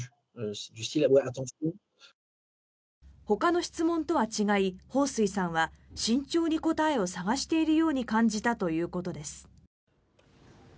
ほかの質問とは違いホウ・スイさんは慎重に答えを探しているように感じたということです。